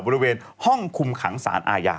บริเวณห้องคุมขังสารอาญา